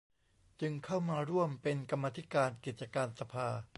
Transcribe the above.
จึงเข้ามาร่วมเป็นกรรมาธิการกิจการสภา